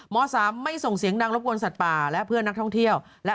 ๓ไม่ส่งเสียงดังรบกวนสัตว์ป่าและเพื่อนนักท่องเที่ยว